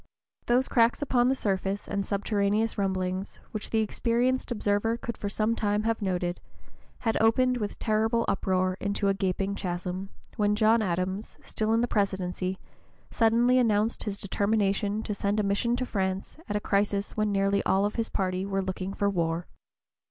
Those cracks upon the surface and subterraneous rumblings, which the experienced observer could for some time have noted, had opened with terrible uproar into a gaping chasm, when John Adams, still in the Presidency, suddenly announced his determination to send a mission to France at a crisis when nearly all his party were looking for war.